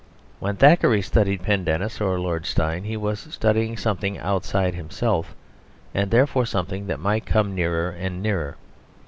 When Thackeray studied Pendennis or Lord Steyne he was studying something outside himself, and therefore something that might come nearer and nearer.